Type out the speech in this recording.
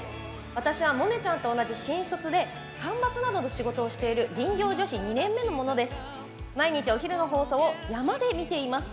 私はモネちゃんと同じ新卒で間伐などの仕事をしている林業女子２年目です。